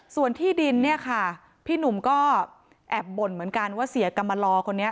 ส่วนที่ดินเนี่ยค่ะพี่หนุ่มก็แอบบ่นเหมือนกันว่าเสียกรรมลอคนนี้